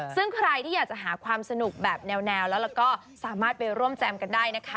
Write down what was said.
ซึ่งใครที่อยากจะหาความสนุกแบบแนวแล้วก็สามารถไปร่วมแจมกันได้นะคะ